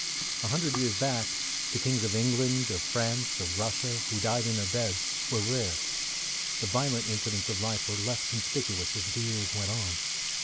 A hundred years back, the kings of England, of France, of Russia who died in their beds were rare. The violent incidents of life were less conspicuous as the years went on.